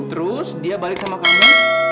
terus dia balik sama kami